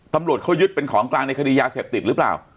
ตำรวจเขายึดเป็นของกลางในคดียาเสพติดหรือเปล่า